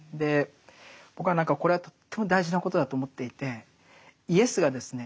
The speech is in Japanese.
僕は何かこれはとっても大事なことだと思っていてイエスがですね